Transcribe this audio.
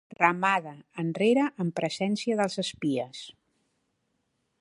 Remada enrere, en presència dels espies.